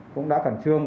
cũng đã phản trương